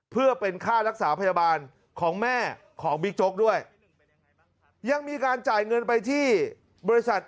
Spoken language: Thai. เพื่อเป็นค่ารักษาพยาบาลของแม่ของบิ๊กโจ๊กด้วยยังมีการจ่ายเงินไปที่บริษัท